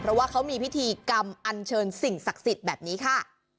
เพราะว่าเขามีพิธีกรรมอันเชิญสิ่งศักดิ์สิทธิ์แบบนี้ค่ะ